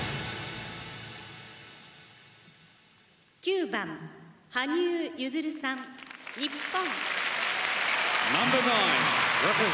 「９番羽生結弦さん日本」。